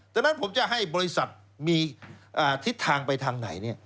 ดังนั้นผมจะให้บริษัทมีทิศทางไปทางไหน